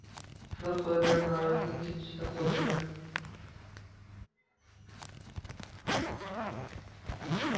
Bir qoʻlida marojna ikkinchi qoʻlida.